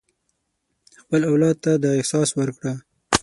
خپل اولاد ته دا احساس ورکړه.